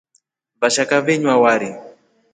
Washaka wenywa wari.